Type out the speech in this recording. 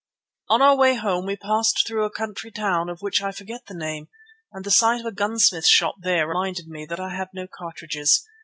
On our way home we passed through a country town, of which I forget the name, and the sight of a gunsmith's shop there reminded me that I had no cartridges.